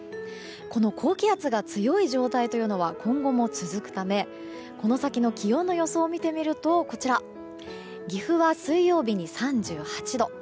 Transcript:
この高気圧が強い状態というのは今後も続くためこの先の気温の予想を見てみると岐阜は水曜日に３８度。